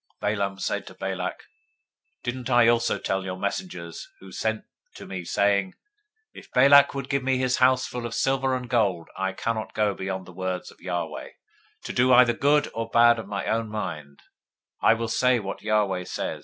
024:012 Balaam said to Balak, Didn't I also tell your messengers who you sent to me, saying, 024:013 If Balak would give me his house full of silver and gold, I can't go beyond the word of Yahweh, to do either good or bad of my own mind; what Yahweh speaks, that will I speak?